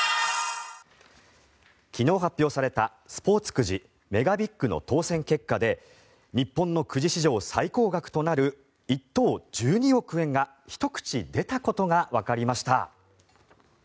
昨日発表されたスポーツくじＭＥＧＡＢＩＧの当選結果で日本のくじ市場最高額となる１等１２億円が１口出たことがわかりました。